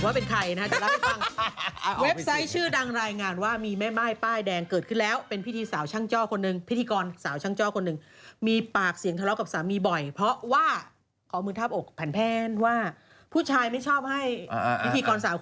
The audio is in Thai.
ว่าผมเองมีง่ว่าออกแต่เจ้าว่าเลยเขาได้บาตรายบอกว่า